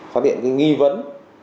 phát hiện nghi vấn